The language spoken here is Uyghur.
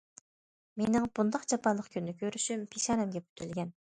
مېنىڭ بۇنداق جاپالىق كۈننى كۆرۈشۈم پېشانەمگە پۈتۈلگەن.